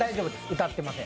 歌ってません。